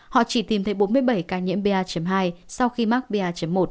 họ chỉ tìm thấy bốn mươi bảy ca nhiễm ba hai sau khi mắc ba một